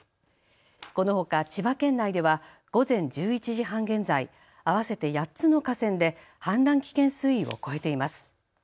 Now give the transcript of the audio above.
このほか千葉県内では午前１１時半現在、合わせて８つの河川で氾濫危険水位を超えています。